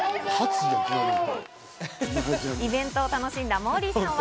イベントを楽しんだモーリーさんは。